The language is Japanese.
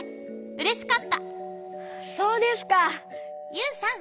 ユウさん。